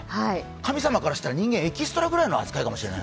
神様からしたら、人間はエキストラぐらいの扱いかもしれない。